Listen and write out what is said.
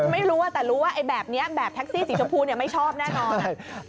ไม่รู้แต่รู้ว่าไอ้แบบนี้แบบแท็กซี่สีชมพูไม่ชอบแน่นอน